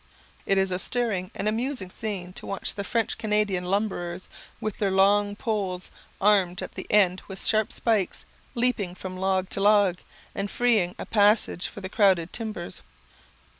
It is a stirring and amusing scene to watch the French Canadian lumberers, with their long poles, armed at the end with sharp spikes, leaping from log to log, and freeing a passage for the crowded timbers.